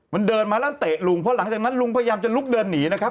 มันเดินมาแล้วเตะลุงเพราะหลังจากนั้นลุงพยายามจะลุกเดินหนีนะครับ